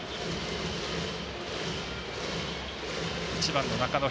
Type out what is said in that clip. １番の中野。